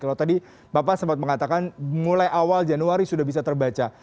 kalau tadi bapak sempat mengatakan mulai awal januari sudah bisa terbaca